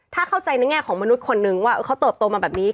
ถ้าเข้าใจในแง่ของมนุษย์คนนึงว่าเขาเติบโตมาแบบนี้